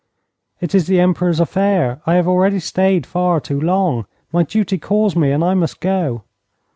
'It is the Emperor's affair. I have already stayed far too long. My duty calls me, and I must go.'